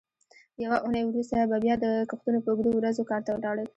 یوه اوونۍ وروسته به بیا د کښتونو په اوږدو ورځو کار ته ولاړل.